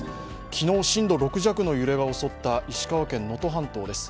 昨日、震度６弱の揺れが襲った石川県・能登半島です。